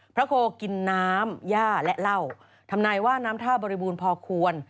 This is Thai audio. โคกินน้ำย่าและเหล้าทำนายว่าน้ำท่าบริบูรณ์พอควร